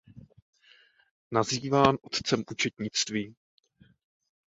Nazýván otcem účetnictví.